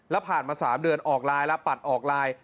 แล้วผ่านมา๓เดือนออกไลน์แล้วปัดออกไลน์